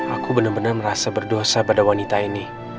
aku benar benar merasa berdosa pada wanita ini